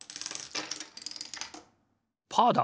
パーだ！